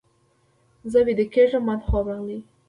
زه ویده کېږم، ماته خوب راغلی.